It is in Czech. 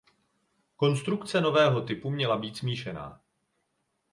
Konstrukce nového typu měla být smíšená.